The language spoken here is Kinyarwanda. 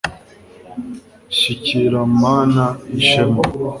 shyikira mana yishema